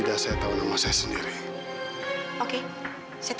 kandal kerusakanapor indifferent